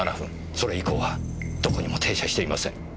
それ以降はどこにも停車していません。